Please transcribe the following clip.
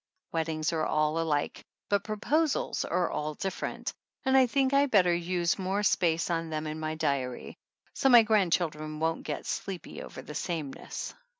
Weddings are all alike, but proposals are all different, and I think I'd better use more space on them in my diary, so my grandchildren won't get sleepy over the sameness.